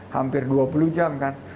hampir dua puluh jam kan